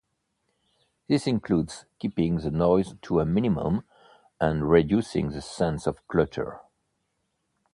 This includes keeping the noise to a minimum and reducing the sense of clutter.